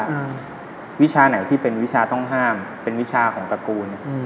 วิชาไหนที่เป็นวิชาต้องห้ามเป็นวิชาของตระกูลอืม